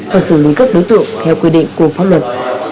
và xử lý các đối tượng theo quy định của pháp luật